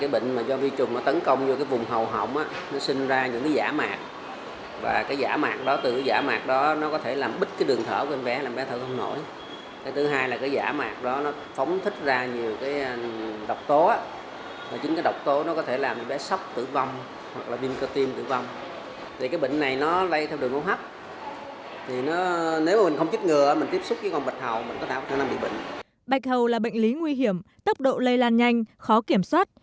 bệnh bạch hầu là bệnh lý nguy hiểm tốc độ lây lan nhanh khó kiểm soát